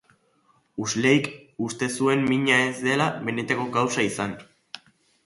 Huxleyk uste zuen mina ez dela benetako kausa izan.